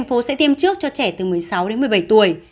tp hcm sẽ tiêm trước cho trẻ từ một mươi sáu đến một mươi bảy tuổi